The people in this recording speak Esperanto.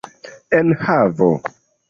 enhavo